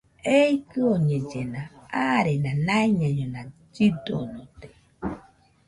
Ei kɨoñellena arena naiñañona llidonote